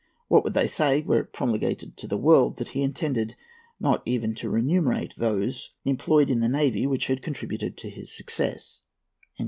What would they say, were it promulgated to the world that he intended not even to remunerate those employed in the navy which contributed to his success?"